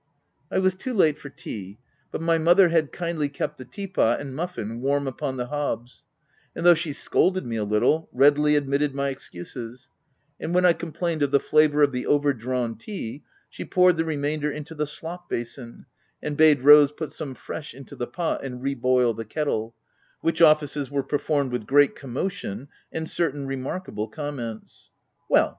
I was too late for tea ; but my mother had kindly kept the tea potand muffin warm upon the hobs, and, though she scolded me a little, readily admitted my excuses ; and when I complained of the flavour of the overdrawn tea, she poured the remainder into the slop basin, and bade Rose put some fresh into the pot, and reboil the kettle, which offices were performed with great commotion, and certain remarkable comments. " Well